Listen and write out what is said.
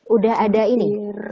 udah ada ini